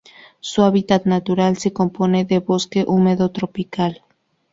Su hábitat natural se compone de bosque húmedo tropical.